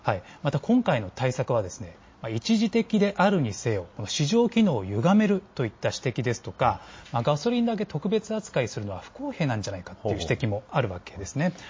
また今回の対策は、一時的であるにせよ、市場機能をゆがめるといった指摘ですとか、ガソリンだけ特別扱いするのは不公平なんじゃないかという指摘もあるわけですね。